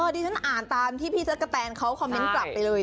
ดิฉันอ่านตามที่พี่จักรแตนเขาคอมเมนต์กลับไปเลย